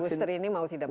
booster mau tidak mau